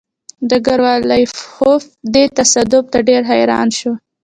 ډګروال لیاخوف دې تصادف ته ډېر حیران شو